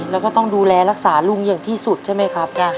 แล้วก็ต้องดูแลรักษาลุงอย่างที่สุดใช่ไหมครับ